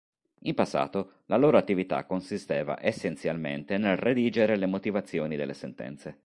In passato, la loro attività consisteva essenzialmente nel redigere le motivazioni delle sentenze.